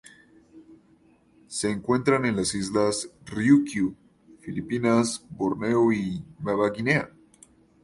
Se encuentran en las Islas Ryukyu, Filipinas, Borneo y Nueva Guinea.